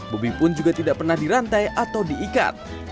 bobi pun juga tidak pernah dirantai atau diikat